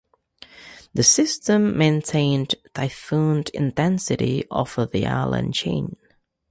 The system maintained typhoon intensity over the island chain.